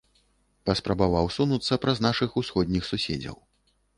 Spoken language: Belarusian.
Паспрабаваў сунуцца праз нашых усходніх суседзяў.